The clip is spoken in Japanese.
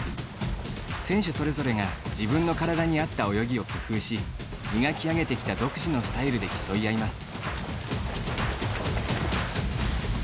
選手それぞれが自分の体に合った泳ぎを工夫し磨き上げてきた独自のスタイルで競い合います。